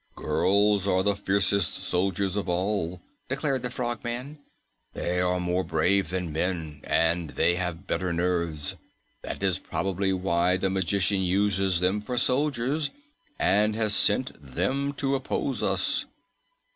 "Girls are the fiercest soldiers of all," declared the Frogman. "They are more brave than men, and they have better nerves. That is probably why the magician uses them for soldiers and has sent them to oppose us."